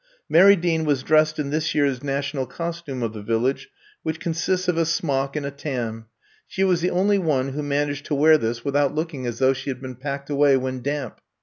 Mary Dean was dressed in this year's national costume of the Village, which consists of a smock and a tam. She was the only one who managed to wear 88 I'VE COMB TO STAY this without looking as though she had been packed away when damp.